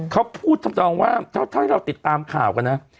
เขาพูดทำนองว่าเท่าที่เราติดตามข่าวกันนะ